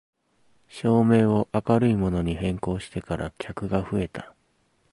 照明を明るいものに変更してから客が増えた